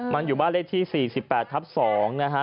มันอยู่บ้านเลขที่๔๘ทับ๒นะฮะ